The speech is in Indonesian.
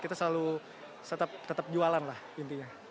kita selalu tetap jualan lah intinya